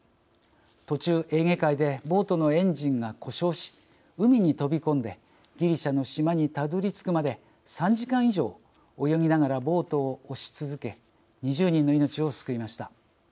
途中、エーゲ海でボートのエンジンが故障し海に飛び込んでギリシャの島にたどり着くまで３時間以上泳ぎながらボートを押し続け２０人の命を救いました。